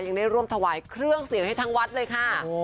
ยังได้ร่วมถวายเครื่องเสียงให้ทั้งวัดเลยค่ะ